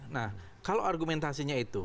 nah kalau argumentasinya itu